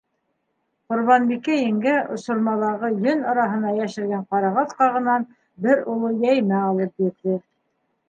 Ҡорбанбикә еңгә осормалағы йөн араһына йәшергән ҡарағат ҡағынан бер оло йәймә алып бирҙе.